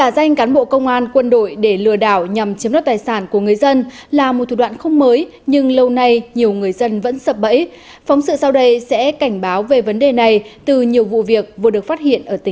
các bạn hãy đăng ký kênh để ủng hộ kênh của chúng mình nhé